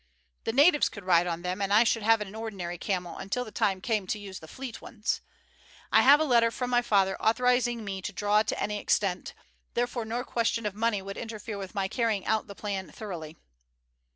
The natives could ride on them, and I should have an ordinary camel until the time came to use the fleet ones. I have a letter from my father authorizing me to draw to any extent; therefore no question of money would interfere with my carrying out the plan thoroughly."